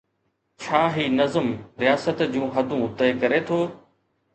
ڇا هي نظم رياست جون حدون طئي ڪري ٿو؟